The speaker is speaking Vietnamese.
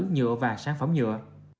nhựa và sản phẩm nhựa